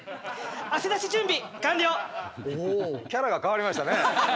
キャラが変わりましたね。